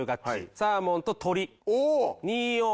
サーモンと鶏２−４。